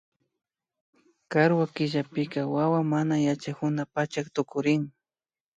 Karwa killapika wawa manayachakuna pachak tukurin